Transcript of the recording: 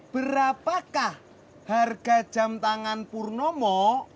berapakah harga jam tangan purnomo